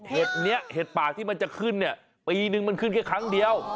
นี้เห็ดป่าที่มันจะขึ้นเนี่ยปีนึงมันขึ้นแค่ครั้งเดียว